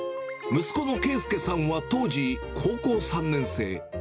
息子の敬介さんは当時、高校３年生。